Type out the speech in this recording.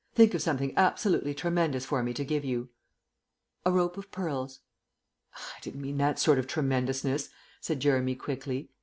Think of something absolutely tremendous for me to give you." "A rope of pearls." "I didn't mean that sort of tremendousness," said Jeremy quickly.